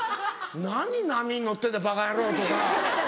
「何波に乗ってんだよバカヤロ」とか。